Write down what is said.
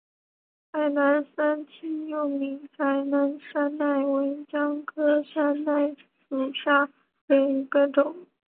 海南三七又名海南山柰为姜科山柰属下的一个种。